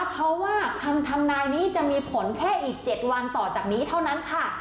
เพราะว่าคำทำนายนี้จะมีผลแค่อีก๗วันต่อจากนี้เท่านั้นค่ะ